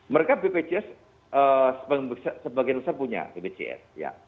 mereka bpjs sebagian besar punya bpjs